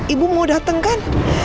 ibu mau datang kan